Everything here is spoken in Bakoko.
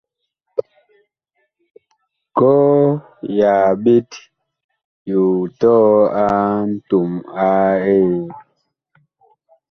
Kɔɔ ya ɓet yu tɔɔ a ntom a Eee.